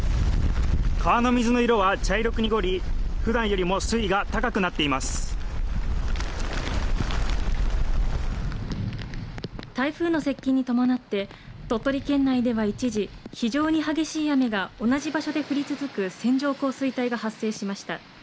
川の水の色は茶色く濁り、ふだん台風の接近に伴って、鳥取県内では一時、非常に激しい雨が同じ場所で降り続く線状降水帯が発生しました。